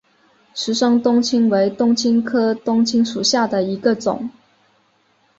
石生冬青为冬青科冬青属下的一个种。